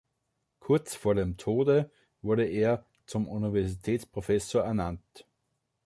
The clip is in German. Kurz vor dem Tode wurde er zum Universitätsprofessor ernannt.